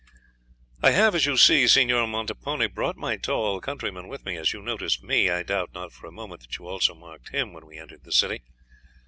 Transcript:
"I have, as you see, Signor Montepone, brought my tall countryman with me; as you noticed me, I doubt not for a moment that you also marked him when we entered the city.